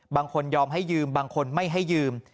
ยอมให้ยืมบางคนไม่ให้ยืม